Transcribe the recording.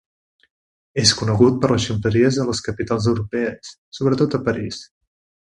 És conegut per les seves ximpleries a les capitals europees, sobretot a París.